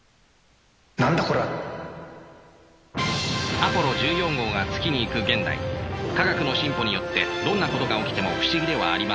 アポロ１４号が月に行く現代科学の進歩によってどんなことが起きても不思議ではありません。